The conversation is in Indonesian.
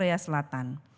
dan juga di selatan